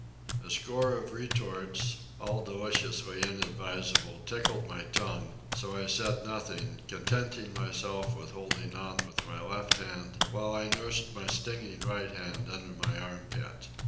A score of retorts, all deliciously inadvisable, tickled my tongue, so I said nothing, contenting myself with holding on with my left hand while I nursed my stinging right hand under my arm pit.